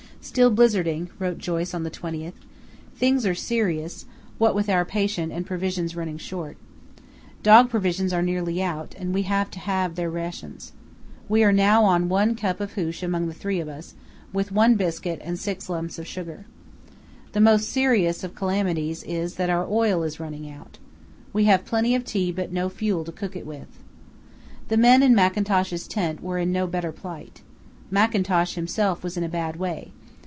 "Still blizzarding," wrote Joyce on the 20th. "Things are serious, what with our patient and provisions running short. Dog provisions are nearly out, and we have to halve their rations. We are now on one cup of hoosh among the three of us, with one biscuit and six lumps of sugar. The most serious of calamities is that our oil is running out. We have plenty of tea, but no fuel to cook it with." The men in Mackintosh's tent were in no better plight. Mackintosh himself was in a bad way.